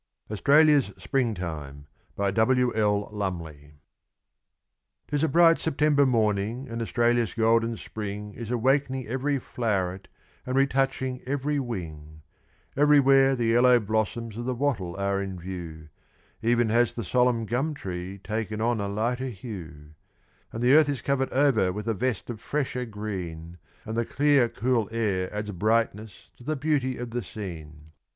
AUSTRALIA'S SPRINGTIME. 'Tis a bright September morning, and Australia's golden Spring Is awak'ning every flow'ret, and retouching every wing; Everywhere the yellow blossoms of the wattle are in view Even has the solemn gum tree taken on a lighter hue; And the earth is cover'd over with a vest of fresher green, And the clear cool air adds brightness to the beauty of the scene.